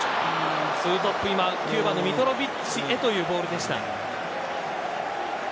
９番のミトロヴィッチへというボールでした。